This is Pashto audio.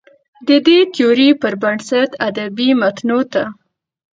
د دې تيورۍ پر بنسټ ادبي متونو ته